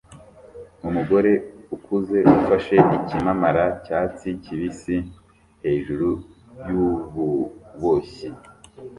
Umugore ukuze ufashe ikimamara cyatsi kibisi hejuru yububoshyi